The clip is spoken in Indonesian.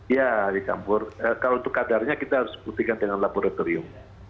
ya dicampur kalau untuk kadarnya kita harus buktikan dengan laboratorium